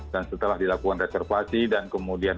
dan setelah dilakukan reservasi dan kemudian